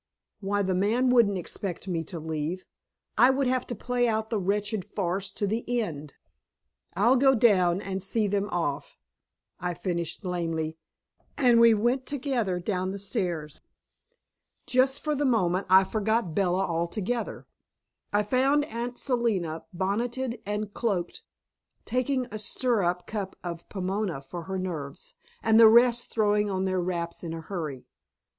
Why, the man wouldn't expect me to leave; I would have to play out the wretched farce to the end! "I'll go down and see them off," I finished lamely, and we went together down the stairs. Just for the moment I forgot Bella altogether. I found Aunt Selina bonneted and cloaked, taking a stirrup cup of Pomona for her nerves, and the rest throwing on their wraps in a hurry.